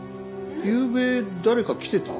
ゆうべ誰か来てた？